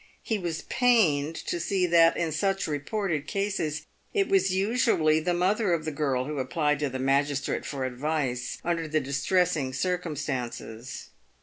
He was pained to see that, in such reported cases, it was usually the mother of the girl who applied to the magistrate for advice under the distressing circumstances.